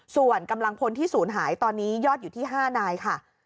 ส่วนกำลังพลที่ศูนย์หายตอนนี้ยอดอยู่ที่๕นายค่ะ